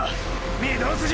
御堂筋！！